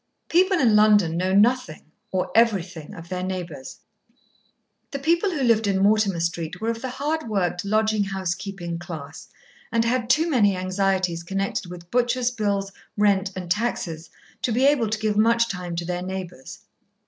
People in London know nothing or everything of their neighbours. The people who lived in Mortimer Street were of the hard worked lodging house keeping class, and had too many anxieties connected with butcher's bills, rent, and taxes, to be able to give much time to their neighbours.